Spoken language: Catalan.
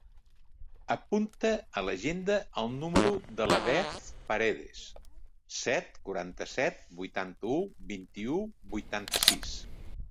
Apunta a l'agenda el número de la Beth Paredes: set, quaranta-set, vuitanta-u, vint-i-u, vuitanta-sis.